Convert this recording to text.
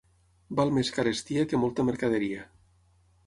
Val més carestia que molta mercaderia.